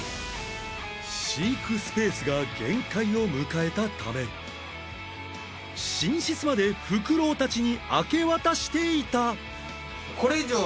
飼育スペースが限界を迎えたため寝室までフクロウたちに明け渡していた！